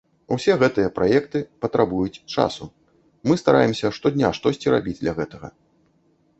Усе гэтыя праекты патрабуюць часу, мы стараемся штодня штосьці рабіць для гэтага.